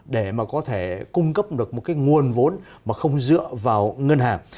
để mà có thể cung cấp được một cái nguồn vốn mà không dựa vào ngân hàng